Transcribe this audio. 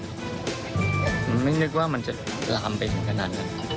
มันไม่นึกว่ามันจะลามไปถึงขนาดนั้น